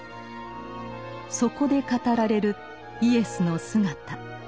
そこで語られるイエスの姿。